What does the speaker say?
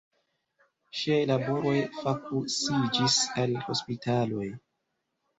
Ŝiaj laboroj fokusiĝis al hospitaloj.